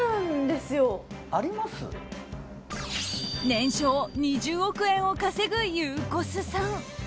年商２０億円を稼ぐゆうこすさん。